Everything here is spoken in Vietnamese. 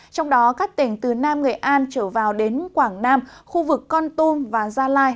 trong đó các tỉnh từ nam nghệ an trở vào đến quảng nam khu vực con tum và gia lai